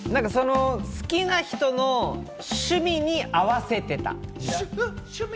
好きな人の趣味に合わせてた。